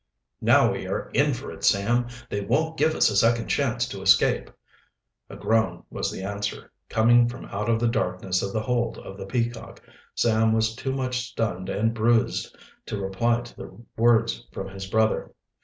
"Now we are in for it, Sam. They won't give us a second chance to escape." A groan was the answer, coming from out of the darkness of the hold of the Peacock. Sam was too much stunned and bruised to reply to the words from his brother.